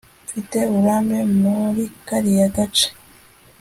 Mfite uburambe muri kariya gace